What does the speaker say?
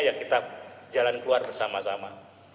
ya kita jalan keluar bersama sama